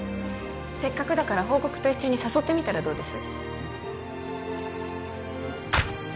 せっかくだから報告と一緒に誘ってみたらどうです？